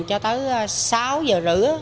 cho tới sáu giờ rưỡi